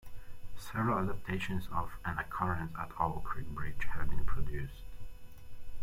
Several adaptations of "An Occurrence at Owl Creek Bridge" have been produced.